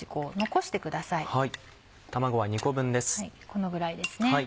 このぐらいですね